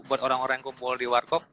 buat orang orang yang kumpul di warkop